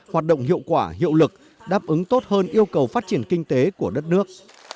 hoạt động hiệu quả hiệu lực đáp ứng tốt hơn yêu cầu phát triển kinh tế của đất nước